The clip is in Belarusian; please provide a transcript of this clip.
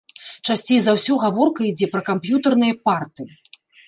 Часцей за ўсё гаворка ідзе пра камп'ютарныя парты.